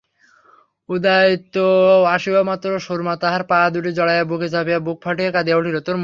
উদয়াদিত্য আসিবামাত্র সুরমা তাঁহার পা দুটি জড়াইয়া বুকে চাপিয়া বুক ফাটিয়া কাঁদিয়া উঠিল।